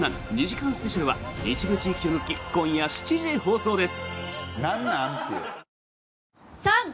２時間スペシャルは一部地域を除き今夜７時放送です。